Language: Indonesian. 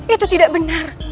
itu tidak benar